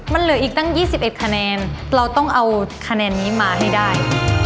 มันเหลืออีกตั้ง๒๑คะแนนเราต้องเอาคะแนนนี้มาให้ได้